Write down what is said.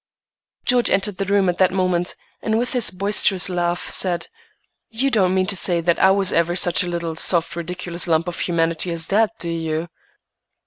George entered the room at that moment, and with his boisterous laugh said, "You don't mean to say that I was ever such a little, soft, ridiculous lump of humanity as that, do you?"